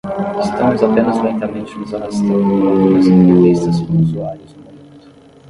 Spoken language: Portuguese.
Estamos apenas lentamente nos arrastando por algumas entrevistas com usuários no momento.